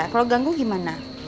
kalau ganggu gimana